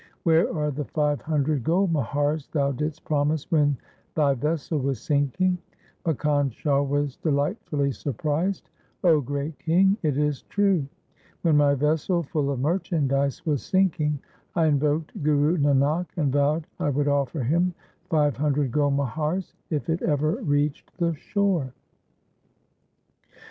Where are the five hundred gold muhars thou didst promise when thy vessel was sinking.' Makkhan Shah was delight fully surprised —' O Great King, it is true. When my vessel full of merchandise was sinking, I invoked Guru Nanak, and vowed I would offer him five hundred gold muhars if it ever reached the shore."